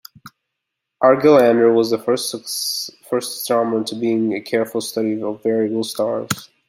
Argelander was the first astronomer to begin a careful study of variable stars.